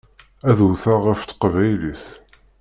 Ad wteɣ ɣef teqbaylit.